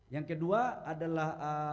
yang kedua adalah